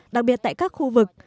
đặc biệt tại các khu vực